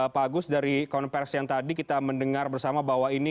pak agus dari konversi yang tadi kita mendengar bersama bahwa ini